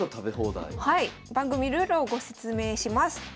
番組ルールをご説明します。